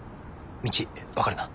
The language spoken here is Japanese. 道分かるな？